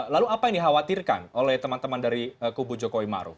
lalu apa yang dikhawatirkan oleh teman teman dari kubu joko imaro